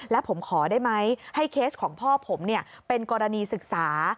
และผมขอได้ไหมให้เคสของพ่อผมเป็นกรณีศึกษา